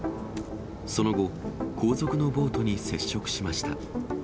その後、後続のボートに接触しました。